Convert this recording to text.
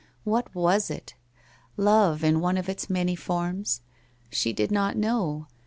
What was it? Love in one of its many forms? She did not know.